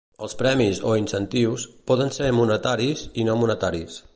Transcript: Els premis, o incentius, poden ser monetaris i no monetaris.